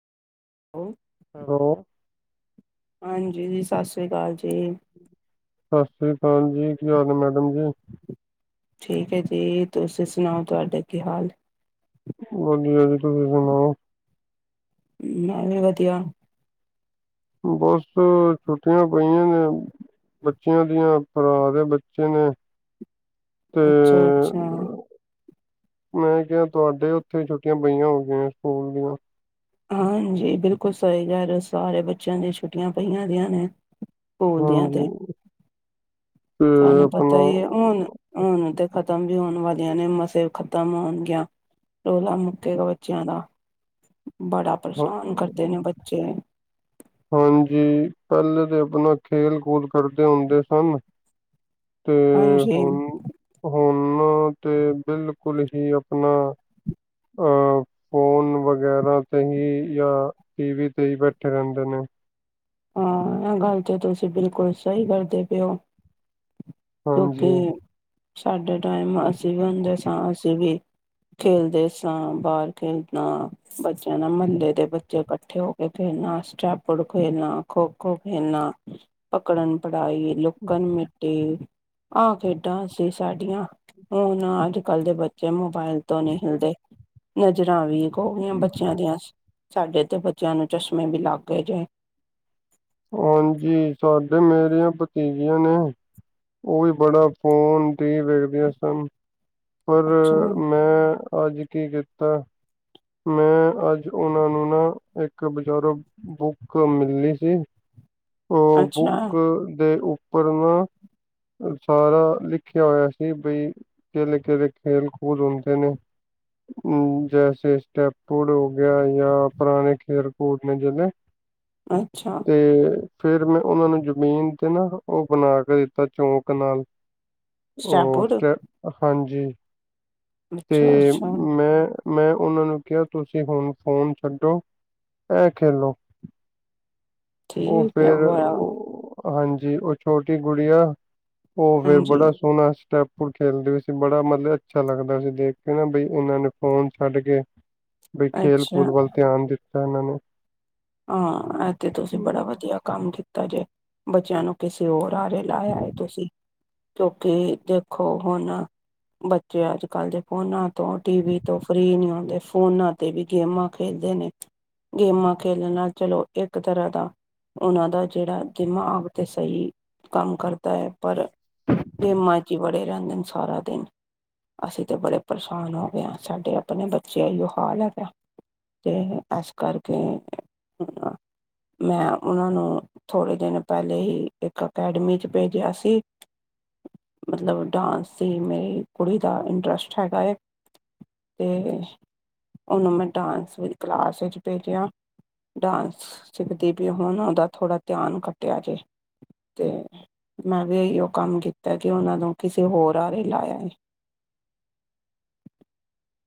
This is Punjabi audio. ਹੋ। ਹੈਲੋ ਹਾਂਜੀ ਜੀ ਸਤਿ ਸ਼੍ਰੀ ਅਕਾਲ ਜੀ। ਸਤਿ ਸ਼੍ਰੀ ਅਕਾਲ ਜੀ ਕੀ ਹਾਲ ਨੇ ਮੈਡਮ ਜੀ? ਠੀਕ ਹੈ ਜੀ ਤੁਸੀਂ ਸੁਣਾਓ ਤੁਹਾਡਾ ਕੀ ਹਾਲ? ਵਧੀਆ ਜੀ ਤੁਸੀਂ ਸੁਣਾਓ? ਮੈਂ ਵੀ ਵਧੀਆ। ਬਸ ਛੁੱਟੀਆਂ ਪਈਆਂ ਨੇ। ਬੱਚਿਆਂ ਦੀਆਂ ਭਰਾ ਦੇ ਬੱਚੇ ਨੇ। ਤੇ ਅੱਛਾ-ਅੱਛਾ। ਮੈਂ ਕਿਹਾ ਤੁਹਾਡੇ ਉੱਥੇ ਛੁੱਟੀਆਂ ਪਈਆਂ ਹੋ ਗਈਆਂ ਸਕੂਲ ਦੀਆਂ। ਹਾਂਜੀ ਬਿਲਕੁਲ ਸਹੀ ਗ ਸਾਰੇ ਬੱਚਿਆਂ ਦੀ ਛੁੱਟੀਆਂ ਪਈਆਂ ਦੀਆਂ ਨੇ। ਸਕੂਲ ਦੀਆਂ ਤੇ ਹਾਂਜੀ ਤੇ ਸਾਨੂੰ ਪਤਾ। ਤਾਂ ਆਪਣਾ ਹੀ ਹੁਣ-ਹੁਣ ਤੇ ਖਤਮ ਵੀ ਹੋਣ ਵਾਲੀਆਂ ਨੇ ਮਸੇ ਖਤਮ ਹੋਣਗੀਆਂ। ਰੌਲਾ ਮੁੱਕਗਾ ਬੱਚਿਆਂ ਦਾ ਬੜਾ ਹਾਂ- ਪਰੇਸ਼ਾਨ ਕਰਦੇ ਨੇ ਬੱਚੇ ਹਾਂਜੀ। ਪਹਿਲੇ ਤਾਂ ਆਪਣਾ ਖੇਲ ਕੂਦ ਕਰਦੇ ਹੁੰਦੇ ਸਨ ਤੇ ਹਾਂਜੀ। ਹੁਣ ਹੁਣ ਤੇ ਬਿਲਕੁਲ ਹੀ। ਆਪਣਾ ਅ ਫੋਨ ਵਗੈਰਾ ਤੇ ਹੀ ਜਾਂ ਟੀ ਵੀ ਤੇ ਹੀ ਬੈਠੇ ਰਹਿੰਦੇ ਨੇ। ਹਾਂ ਇਹ ਗੱਲ ਤੇ ਤੁਸੀਂ ਬਿਲਕੁਲ ਸਹੀ ਕਰਦੇ ਪਏਓ। ਕਿਉਂਕਿ ਹਾਂਜੀ ਸਾਡਾ ਟਾਈਮ ਅਸੀਂ ਵੀ ਹੁੰਦੇ ਸਾਂ ਅਸੀਂ ਵੀ ਖੇਲਦੇ ਸਾਂ ਬਾਹਰ ਖੇਲਦਾ। ਬੱਚਿਆਂ ਨਾਲ ਮਹੱਲੇ ਦੇ ਬੱਚੇ ਇਕੱਠੇ ਹੋ ਕੇ ਖੇਲਣਾ ਸਟੈਪ ਖੇਲਣਾ। ਖੋ-ਖੋ ਖੇਲਣਾ, ਪਕੜਨ ਪੜਾਈ ਲੁਕਣ ਮਿੱਟੀ। ਆਹ ਖੇਡਾਂ ਸੀ ਸਾਡੀਆਂ। ਹੁਣ ਅੱਜ ਕੱਲ੍ਹ ਦੇ ਬੱਚੇ ਮੋਬਾਇਲ ਤੋਂ ਨਹੀਂ ਹਿਲਦੇ ਨਜ਼ਰਾਂ ਵੀ। ਹੋ ਗਈਆਂ ਬੱਚਿਆਂ ਦੀਆਂ, ਸਾਡੇ ਤੇ ਬੱਚਿਆਂ ਨੂੰ ਚਸ਼ਮੇ ਵੀ ਲੱਗ ਗਏ ਜਿ। ਹਾਂਜੀ, ਸਾਡੇ ਮੇਰੀਆਂ ਭਤੀਜੀਆਂ ਨੇ। ਉਹ ਵੀ ਬੜਾ ਫੋਨ ਤੇ ਵੇਖਦੀਆਂ ਸਨ। ਪਰ ਅੱਛਾ ਮੈਂ ਅੱਜ ਕੀ ਕੀਤਾ। ਮੈਂ ਅੱਜ ਉਹਨਾਂ ਨੂੰ ਨਾ, ਇੱਕ ਬਜ਼ਾਰੋਂ ਬੁੱਕ ਮਿਲੀ ਸੀ। ਉਹ ਅੱਛਾ ਬੁੱਕ ਦੇ ਉੱਪਰ ਨਾ ਸਾਰਾ ਲਿਖਿਆ ਹੋਇਆ ਸੀ। ਬਈ ਕੇਲੇ-ਕੇਲੇ ਖੇਲ ਕੂਦ ਹੁੰਦੇ ਨੇ ਜੈਸੇ। ਟੈਪੋਡ ਹੋ ਗਿਆ ਜਾਂ ਪੁਰਾਣੇ ਖੇਡਕੂਦ ਨੇ ਜਿਹੜੇ। ਅੱਛਾ। ਤੇ ਫੇਰ ਮੈਂ ਉਹਨਾਂ ਨੂੰ ਜ਼ਮੀਨ ਤੇ ਨਾ ਉਹ ਬਣਾ ਕੇ ਦਿੱਤਾ ਚੌਂਕ ਨਾਲ ਹੋ ਸਟੈਪੁਡ ਹਾਂਜੀ। ਅੱਛਾ ਤੇ ਅੱਛਾ ਮੈਂ। ਮੈਂ ਉਹਨਾਂ ਨੂੰ ਕਿਹਾ ਤੁਸੀਂ ਹੁਣ ਫੋਨ ਛੱਡੋ ਇਹ ਖੇਲੋ। ਉਹ ਠੀਕ ਹੈ ਫੇਰ ਬੜਾ ਉਹ ਹਾਂਜੀ ਉਹ ਛੋਟੀ ਗੁੜੀਆ। ਉਹ ਫਿਰ ਹਾਂਜੀ ਬੜਾ ਸੋਹਣਾ ਸਟੈਪੂ ਖੇਲਦੇ ਸੀ ਬੜਾ ਮਤਲਬ ਅੱਛਾ ਲੱਗਦਾ ਸੀ। ਦੇਖ ਕੇ ਨਾ ਬਈ ਇਹਨਾਂ ਨੇ ਫੋਨ ਛੱਡ ਕੇ। ਬਈ ਖੇਲ ਕੂਦ ਅੱਛਾ ਵੱਲ ਧਿਆਨ ਦਿੱਤਾ ਇਹਨਾਂ ਨੇ। ਹਾਂ ਇਥੇ ਤੁਸੀਂ ਬੜਾ ਵਧੀਆ ਕੰਮ ਕੀਤਾ ਜੇ। ਬੱਚਿਆਂ ਨੂੰ ਕਿਸੇ ਹੋਰ ਆ ਰਹੇ ਲਾਇਆ ਏ ਤੁਸੀਂ, ਕਿਉਂਕਿ ਦੇਖੋ ਹੁਣ। ਬੱਚੇ ਅੱਜ ਕੱਲ ਦੇ ਫੋਨਾਂ ਤੋਂ, ਟੀਵੀ ਤੋਂ, ਫ੍ਰਰੀ ਨੀ ਆਉਂਦੇ। ਫੋਨਾਂ ਵੀ ਗੇਮਾਂ ਖੇਡਦੇ ਨੇ। ਗੇਮਾਂ ਖੇਲਣਾ ਚਲੋ ਇੱਕ ਤਰ੍ਹਾਂ ਦਾ ਉਹਨਾਂ ਦਾ ਜਿਹੜਾ ਦਿਮਾਗ ਤੇ। ਸਹੀ ਕੰਮ ਕਰਦਾ ਹੈ ਪਰ ਗੇਮਾਂ ਚ ਹੀ ਬੜ੍ਹੇ ਰਹਿੰਦੇ ਨੇ ਸਾਰਾ ਦਿਨ। ਅਸੀਂ ਤੇ ਬੜੇ ਪਰੇਸ਼ਾਨ ਹੋ ਗਏ ਹਾਂ ਸਾਡੇ ਆਪਣੇ ਬੱਚਿਆਂ ਹੀ ਉਹ ਹਾਲ ਹੈ ਪਿਆ ਤੇ ਐਸ ਕਰਕੇ। ਮੈਂ ਉਹਨਾਂ ਨੂੰ ਥੋੜ੍ਹੇ ਦਿਨ ਪਹਿਲੇ ਹੀ ਇੱਕ ਅਕੈਡਮੀ ਚ ਭੇਜਿਆ ਸੀ। ਮਤਲਬ ਡਾਂਸ ਦੀ ਮੇਰੀ ਕੁੜੀ ਦਾ ਇੰਟਰਸਟ ਹੈਗਾ ਹੈ। ਤੇ ਉਹਨੂੰ ਮੈਂ ਡਾਂਸ ਕਲਾਸ ਵਿੱਚ ਭੇਜਿਆ। ਡਾਂਸ ਸਿੱਖਦੀ ਵੀ ਹੁਣ ਉਹਦਾ ਥੋੜ੍ਹਾ ਧਿਆਨ ਘਟਿਆ ਜੇ। ਤੇ ਮੈਂ ਵੀ ਇਹੀਓ ਕੰਮ ਕੀਤਾ ਕਿ ਉਹਨਾਂ ਨੂੰ ਕਿਸੇ ਹੋਰ ਆਰੇ ਲਾਇਆ।